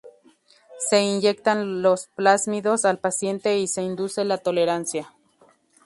Se inyectan los plásmidos al paciente y se induce la tolerancia.